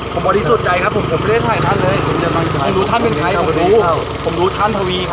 ผมบริสุทธิ์ใจครับผมไม่ได้ได้ท่านเลย